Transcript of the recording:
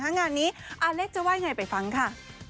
งานนี้อาเล็กจะว่ายังไงไปฟังค่ะ